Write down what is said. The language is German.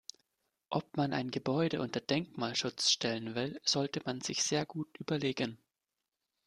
Ob man ein Gebäude unter Denkmalschutz stellen will, sollte man sich sehr gut überlegen.